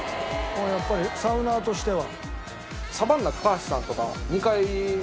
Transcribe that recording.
やっぱりサウナーとしては？